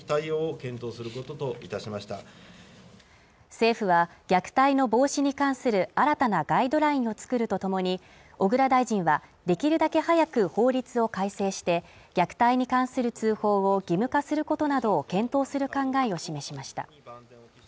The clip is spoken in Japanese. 政府は、虐待の防止に関する新たなガイドラインをつくるとともに、小倉大臣は、できるだけ早く法律を改正して、虐待に関する通報を義務化することなどを検討する考えを示しました。